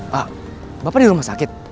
pak bapak di rumah sakit